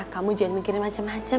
kamu jangan mikirin macam macam